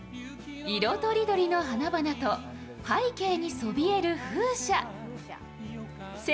色とりどりの花々と背景にそびえる風車。